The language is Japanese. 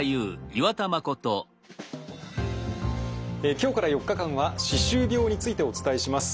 今日から４日間は歯周病についてお伝えします。